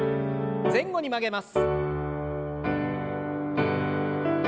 前後に曲げます。